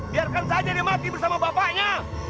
biarkan saja dia mati bersama bapaknya